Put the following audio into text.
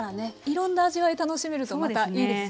いろんな味わい楽しめるとまたいいですよね。